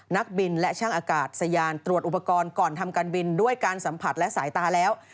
นักบินและช่างอากาศสยานตรวจอุปกรณ์ก่อนทำการบินด้วยการสัมผัสและสายตาแล้ว